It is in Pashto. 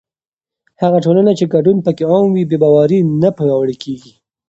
هغه ټولنه چې ګډون پکې عام وي، بې باوري نه پیاوړې کېږي.